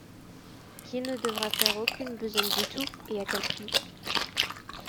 Qui ne devra faire aucune besogne du tout et à quel prix?